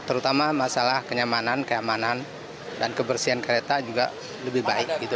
terutama masalah kenyamanan keamanan dan kebersihan kereta juga lebih baik gitu